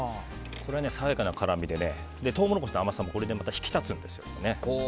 爽やかな辛味でトウモロコシの甘みもこれで引き立つんですよね。